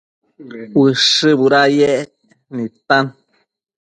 Ushë budayec nidtan